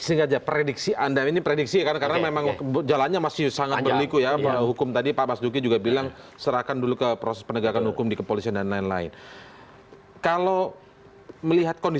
intinya kalau misalnya kemudian memang